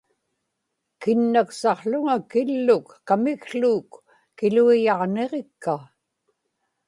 kinnaksaqłuŋa killuk kamikłuuk kiluiyaġniġikka